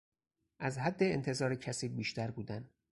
از حد انتظار کسی بیشتر بودن